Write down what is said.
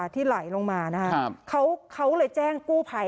ที่ไหลลงมานะครับเขาเลยแจ้งกู้ภัย